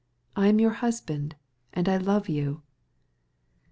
I am your husband, and I love you."